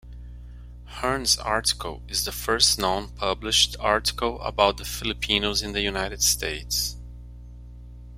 Hearn's article is the first-known published article about the Filipinos in the United States.